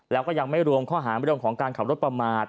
แล้วก็ยังไม่รวมข้อหาเรื่องของการขับรถประมาท